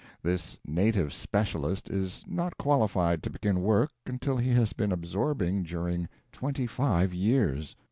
This native specialist is not qualified to begin work until he has been absorbing during twenty five years.